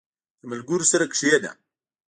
• د ملګرو سره کښېنه.